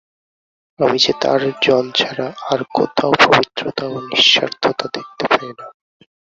আমি যে তাঁর জন ছাড়া আর কোথাও পবিত্রতা ও নিঃস্বার্থতা দেখতে পাই না।